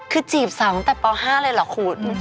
คือจีบสาวตั้งแต่ป๕เลยเหรอคุณ